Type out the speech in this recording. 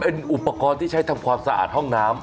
เป็นอุปกรณ์ที่ใช้ทำความสะอาดห้องน้ำ